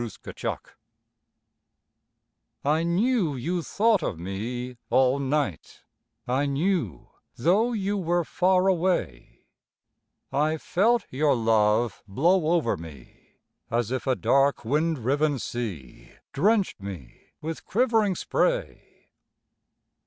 Spray I knew you thought of me all night, I knew, though you were far away; I felt your love blow over me As if a dark wind riven sea Drenched me with quivering spray.